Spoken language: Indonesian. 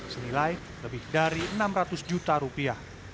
senilai lebih dari enam ratus juta rupiah